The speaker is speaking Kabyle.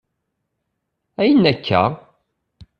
Ayyen akka?